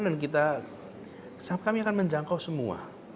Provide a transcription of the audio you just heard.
dan kami akan menjangkau semua